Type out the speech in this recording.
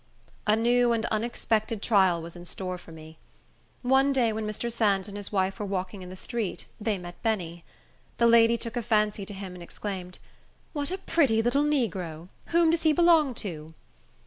A new and unexpected trial was in store for me. One day, when Mr. Sands and his wife were walking in the street, they met Benny. The lady took a fancy to him, and exclaimed, "What a pretty little negro! Whom does he belong to?"